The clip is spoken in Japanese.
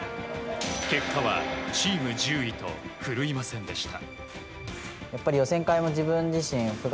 結果はチーム１０位と振るいませんでした。